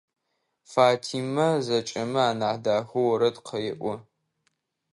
Фатима зэкӏэмэ анахь дахэу орэд къеӏо.